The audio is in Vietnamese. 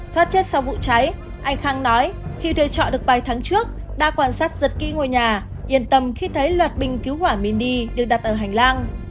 thoát chết sau vụ cháy anh khang nói khi thuê trọ được vài tháng trước đã quan sát giật kỹ ngôi nhà yên tâm khi thấy loạt bình cứu hỏa mini được đặt ở hành lang